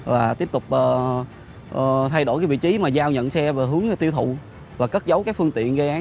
và tiếp tục thay đổi vị trí mà giao nhận xe và hướng tiêu thụ và cất giấu các phương tiện gây án